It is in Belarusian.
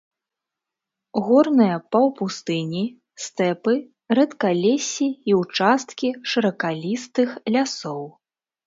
Горныя паўпустыні, стэпы, рэдкалессі і ўчасткі шыракалістых лясоў.